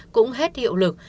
cũng hết hiệu lực